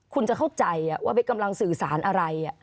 คุณจะเข้าใจว่ากำลังสื่อสารอะไร